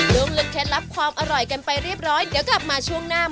ลงลึกเคล็ดลับความอร่อยกันไปเรียบร้อยเดี๋ยวกลับมาช่วงหน้า